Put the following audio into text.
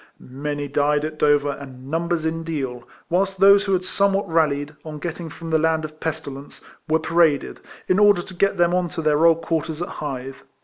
Many died at Dover and numbers in Deal; whilst those who had somewhat rallied, on getting from the land of pesti lence, were paraded, in order to get them on to their old quarters at Hythe.